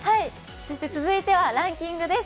続いてはランキングです。